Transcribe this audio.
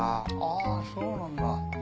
あそうなんだ。